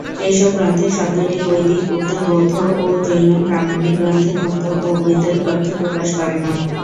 এইসব গ্রন্থে শব্দটি বৈদিক-উত্তর বৌদ্ধ ও জৈন প্রামাণিক গ্রন্থের মতো অ-বৈদিক অর্থ প্রকাশ করে না।